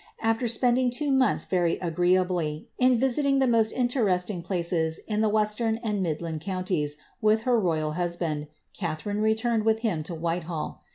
Aha spending two months very agreeably, in visiting the most interestiv places in the western and midland counties, with her royal husbanj Catharine returned with him to Whitehall.